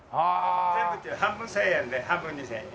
全部っていうか半分１０００円で半分２０００円。